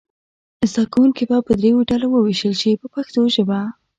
زده کوونکي به دریو ډلو وویشل شي په پښتو ژبه.